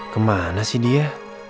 kemana sih dia